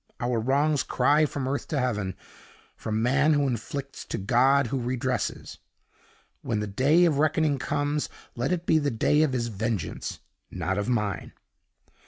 Our wrongs cry from earth to heaven; from man who inflicts to God who redresses. When the day of reckoning comes, let it be the day of his vengeance, not of mine.